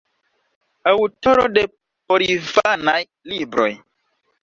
Aŭtoro de porinfanaj libroj.